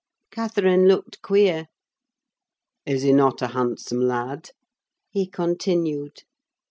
Catherine looked queer. "Is he not a handsome lad?" he continued.